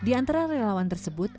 di antara relawan tersebut